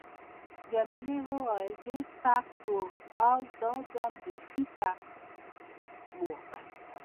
جميلې وويل:: ډېر سخت و، دا ځل بیخي سخت و.